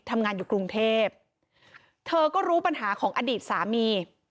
ทำงานอยู่กรุงเทพเธอก็รู้ปัญหาของอดีตสามี